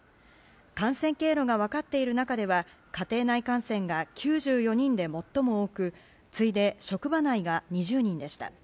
感染経路が分かっている中では家庭内感染が９４人で最も多く次いで職場内が２０人でした。